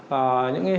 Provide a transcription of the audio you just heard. và những hình